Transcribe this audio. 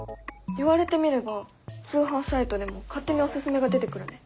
言われてみれば通販サイトでも勝手におススメが出てくるね。